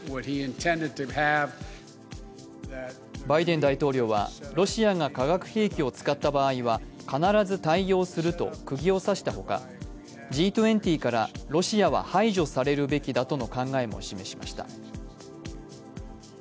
バイデン大統領はロシアが化学兵器を使った場合は必ず対応するとくぎを刺したほかＧ２０からロシアは排除されるべきだとの考えも示しました。